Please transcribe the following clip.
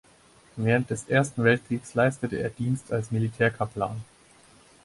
Während des Ersten Weltkriegs leistete er Dienst als Militärkaplan.